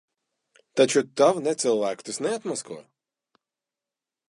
Taču tavu necilvēku tas neatmasko.